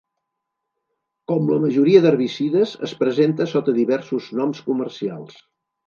Com la majoria d'herbicides es presenta sota diversos noms comercials.